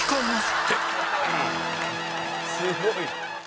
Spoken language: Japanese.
すごい！